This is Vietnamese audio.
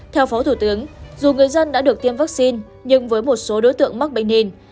theo phó thủ tướng dù người dân đã được tiêm vaccine nhưng với một số đối tượng mắc bệnh nền